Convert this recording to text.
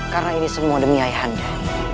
karena ini semua demi ayah hande